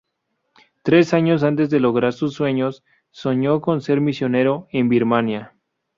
Tres años antes de lograr sus sueños, soñó con ser misionero en Birmania.